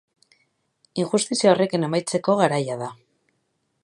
Injustizia horrekin amaitzeko garaia da.